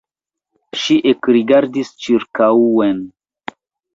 Ŝi ekrigardis ĉirkaŭen.